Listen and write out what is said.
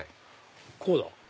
こうだ。